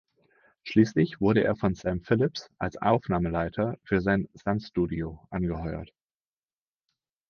Schließlich wurde er von Sam Phillips als Aufnahmeleiter für sein Sun-Studio angeheuert.